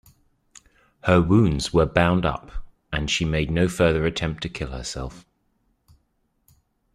Her wounds were bound up and she made no further attempt to kill herself.